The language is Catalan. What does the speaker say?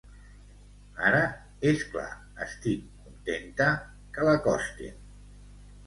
Ara, és clar, estic contenta que l’acostin.